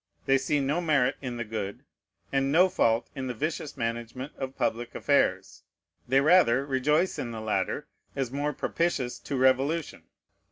They see no merit in the good, and no fault in the vicious management of public affairs; they rather rejoice in the latter, as more propitious to revolution.